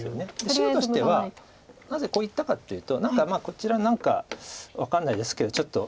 白としてはなぜこういったかっていうとこちら何か分かんないですけどちょっと。